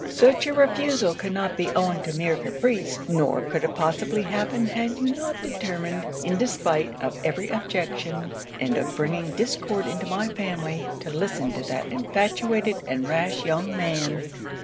Such a refusal cannot be owing to mere caprice; nor could it possibly happen had you not determined, in despite of every objection, and of bringing discord into my family, to listen to that infatuated and rash young man.'